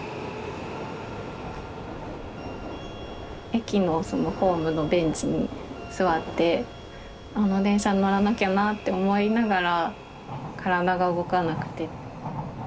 駅のそのホームのベンチに座ってこの電車に乗らなきゃなって思いながら体が動かなくて。